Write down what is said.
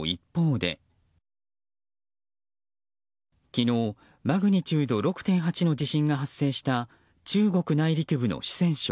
昨日、マグニチュード６．８の地震が発生した中国内陸部の四川省。